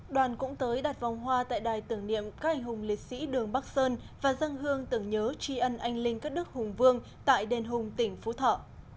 đoàn cũng tới đặt vòng hoa tại đài tưởng niệm các anh hùng liệt sĩ đường bắc sơn và dân hương tưởng nhớ tri ân anh linh các đức hùng vương tại đền hùng tỉnh phú thọ